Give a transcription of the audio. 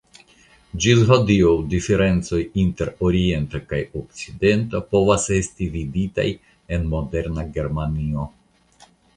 Ĝis hodiaŭ diferencoj inter Oriento kaj Okcidento povas esti viditaj en moderna Germanio.